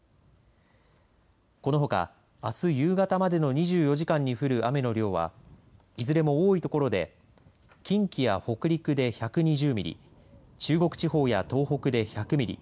このほか、あす夕方までの２４時間に降る雨の量はいずれも多い所で近畿や北陸で１２０ミリ中国地方や東北で１００ミリ